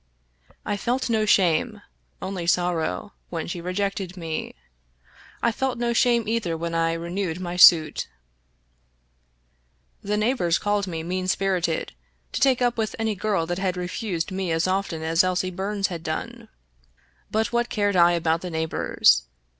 I felt no shame, only sorrow, when she rejected me ; I felt no shame either when I renewed my suit. The neighbors called me mean spirited to take up with any girl that had refused me as often as Elsie Bums had done ; but what cared I about the neighbors?